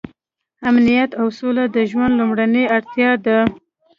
امنیت او سوله د ژوند لومړنۍ اړتیا ده.